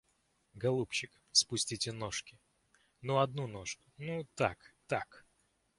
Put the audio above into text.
Голубчик, спустите ножки, ну, одну ножку, ну, так, так.